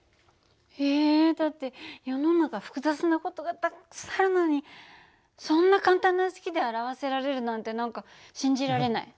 えだって世の中複雑な事がたっくさんあるのにそんな簡単な式で表せられるなんて何か信じられない。